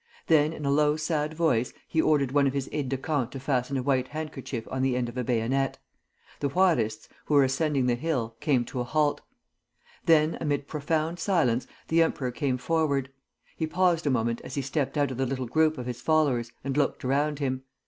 Then, in a low, sad voice, he ordered one of his aides de camp to fasten a white handkerchief on the end of a bayonet. The Juarists, who were ascending the hill, came to a halt. Then, amid profound silence, the emperor came forward. He paused a moment as he stepped out of the little group of his followers and looked around him.